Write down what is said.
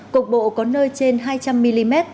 cục bộ có nơi trên hai trăm linh mm